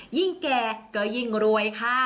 ยิ่งแก่ก็ยิ่งรวยค่ะ